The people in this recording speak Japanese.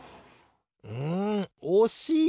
うんおしい！